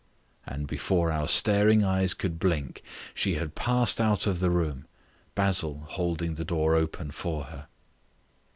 And before our staring eyes could blink she had passed out of the room, Basil holding the door open for her.